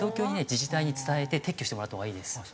自治体に伝えて撤去してもらったほうがいいです。